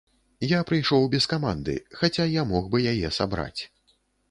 Я прыйшоў без каманды, хаця я мог бы яе сабраць.